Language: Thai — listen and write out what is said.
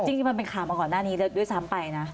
จริงมันเป็นข่าวมาก่อนหน้านี้แล้วด้วยซ้ำไปนะ